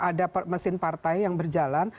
ada mesin partai yang berjalan